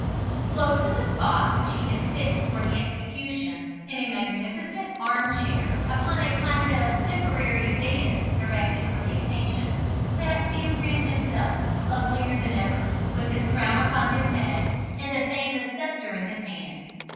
Close to the spot which he had fixed for the execution, in a magnificent arm chair upon a kind of temporary dais erected for the occasion, sat Famcram himself, uglier than ever, with his crown upon his head, and the famous sceptre in his hand.